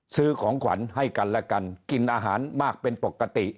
ซื้อของขวัญให้กันและกันกินอาหารมากเป็นปกติ